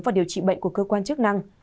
và điều trị bệnh của cơ quan chức năng